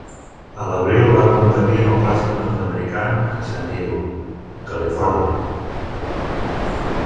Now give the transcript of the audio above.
A l'abril va competir en el Clàssic nord-americà en Sant Diego, Califòrnia.